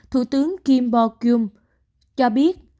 thủ tướng kim bo kyum cho biết